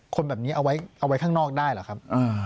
คนแบบนี้เอาไว้ข้างนอกได้หรือครับ